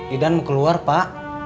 idan mau keluar pak